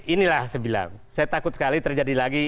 inilah saya bilang saya takut sekali terjadi lagi